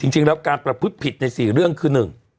จริงแล้วการประพฤติผิดใน๔เรื่องคือ๑